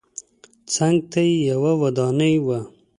څنګ ته یې یوه ودانۍ وه.